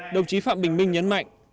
đồng chí phạm bình minh nhấn mạnh